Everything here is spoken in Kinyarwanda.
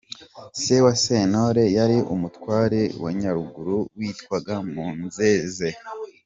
Se wa Sentore yari Umutware w’i Nyaruguru witwaga Munzenze.